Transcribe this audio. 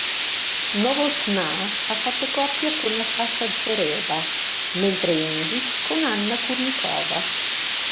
Novotná ha fatto coppia con Nataša Zvereva, mentre Hingis con Anna Kurnikova.